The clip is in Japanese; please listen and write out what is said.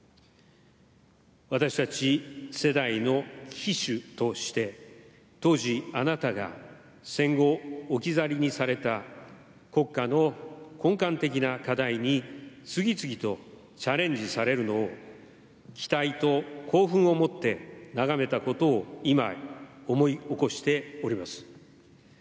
私たち世代の旗手として当時、あなたが戦後置き去りにされた国家の根幹的な課題に次々とチャレンジされるのを期待と興奮を持って眺めたことを今、思い起こしております。